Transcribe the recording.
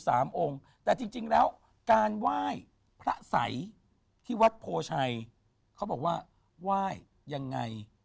สามองค์แต่จริงจริงแล้วการไหว้พระสัยที่วัดโพชัยเขาบอกว่าไหว้ยังไง